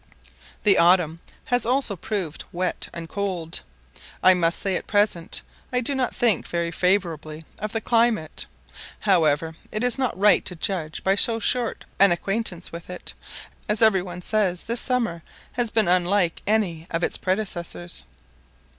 The autumn has also proved wet and cold. I must say at present I do not think very favourably of the climate; however, it is not right to judge by so short an acquaintance with it, as every one says this summer has been unlike any of its predecessors.